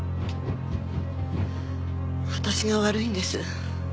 私が悪いんです。